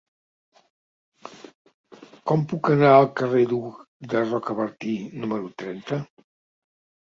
Com puc anar al carrer d'Hug de Rocabertí número trenta?